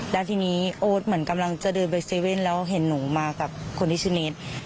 แล้วทีนี้โอ๊ตเหมือนกำลังจะเดินไปเซเว่นแล้วเห็นหนูมากับคนที่ชื่อเนส